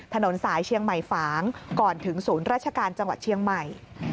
ถนนสายเชียงใหม่ฝางก่อนถึงศูนย์ราชการจังหวัดเชียงใหม่